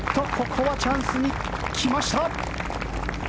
ここはチャンスに来ました！